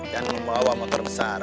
dan membawa motor besar